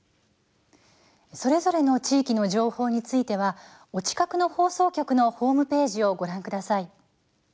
それぞれの地域の情報についてはお近くの放送局のホームページをご覧ください。